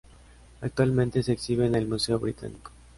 Actualmente se exhibe en el Museo Británico.